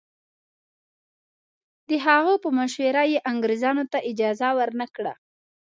د هغه په مشوره یې انګریزانو ته اجازه ورنه کړه.